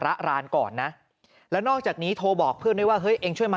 ระรานก่อนนะแล้วนอกจากนี้โทรบอกเพื่อนด้วยว่าเฮ้ยเองช่วยมา